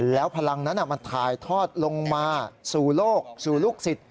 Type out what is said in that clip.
แล้วพลังนั้นมันถ่ายทอดลงมาสู่โลกสู่ลูกศิษย